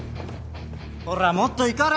ほらもっと怒れ。